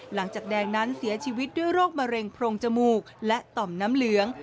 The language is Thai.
แดงนั้นเสียชีวิตด้วยโรคมะเร็งโพรงจมูกและต่อมน้ำเหลือง